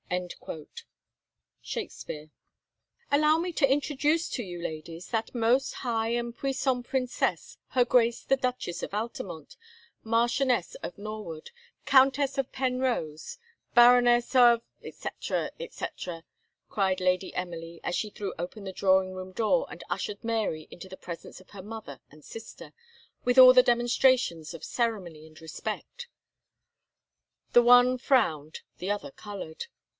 SHAKESPEARE. "ALLOW me to introduce to you, ladies, that most high and puissant Princess, her Grace the Duchess of Altamont, Marchioness of Norwood, Countess of Penrose, Baroness of, etc. etc.," cried Lady Emily, as she threw open the drawing room door, and ushered Mary into the presence of her mother and sister, with all the demonstrations of ceremony and respect. The one frowned the other coloured.